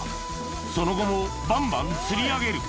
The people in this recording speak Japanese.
その後もバンバン釣り上げる